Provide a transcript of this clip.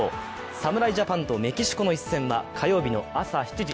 侍ジャパンとメキシコの一戦は火曜日の朝７時、